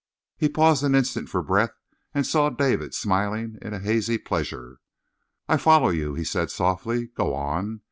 He paused an instant for breath and saw David smiling in a hazy pleasure. "I follow you," he said softly. "Go on!"